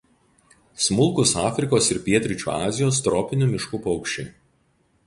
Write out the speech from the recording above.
Smulkūs Afrikos ir Pietryčių Azijos tropinių miškų paukščiai.